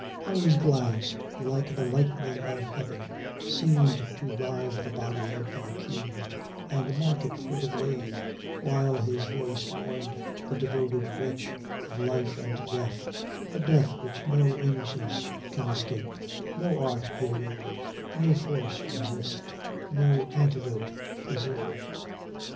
How his glance, like the lightning of heaven, seemed to rive the body of the accused, and mark it for the grave, while his voice warned the devoted wretch of life and death a death which no innocence can escape, no art elude, no force resist, no antidote preserve?